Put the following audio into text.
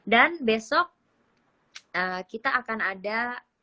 dan besok kita akan ada